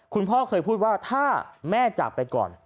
คุณพ่อเคยพูดว่าถ้าแม่จากไปก่อน